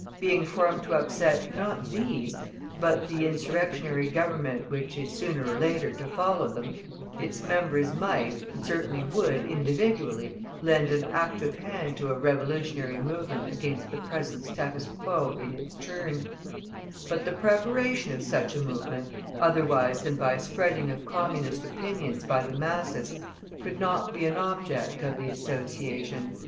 Being formed to upset not these, but the insurrectionary Government, which is sooner or later to follow them, its members might, and certainly would, individually, lend an active hand to a revolutionary movement against the present status quo in its turn; but the preparation of such a movement, otherwise than by spreading of Communist opinions by the masses, could not be an object of the Association.